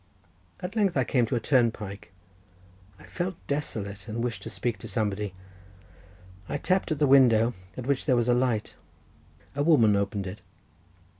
At length I came to a turnpike. I felt desolate, and wished to speak to somebody. I tapped at the window, at which there was a light; a woman opened it.